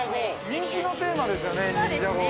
◆人気のテーマですよね。